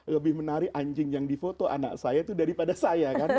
lebih menarik anjing yang di foto anak saya itu daripada saya kan